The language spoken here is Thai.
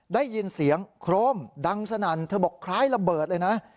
ได้ยินเสียงโครมดังสนั่นเธอบอกคล้ายระเบิดเลยนะ